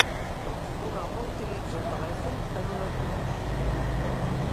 Un home utilitza el telèfon en un autobús.